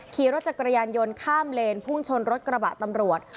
ขี่รถจักรยานยนต์ข้ามเลนพุ่งชนรถกระบะตำรวจ